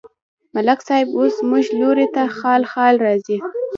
ملک صاحب اوس زموږ لوري ته خال خال راځي.